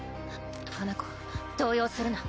花子動揺するな。